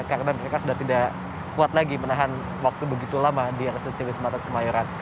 karena mereka sudah tidak kuat lagi menahan waktu begitu lama di rswc wismatut kemayoran